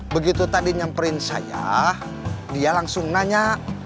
begitu tadi nyamperin saya dia langsung nanya